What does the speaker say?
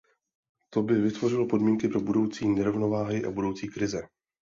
To by vytvořilo podmínky pro budoucí nerovnováhy a budoucí krize.